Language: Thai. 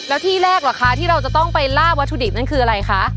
แล้วที่แรกเหรอคะที่เราจะต้องไปลาบวัตถุดิบนั่นคืออะไรคะ